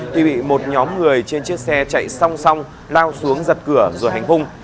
tuy bị một nhóm người trên chiếc xe chạy song song lao xuống giật cửa rồi hành hung